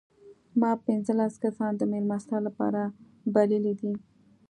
ما پنځلس کسان د مېلمستیا لپاره بللي دي.